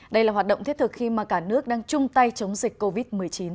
đây là hoạt động thiết thực khi mà cả nước đang chung tay chống dịch covid một mươi chín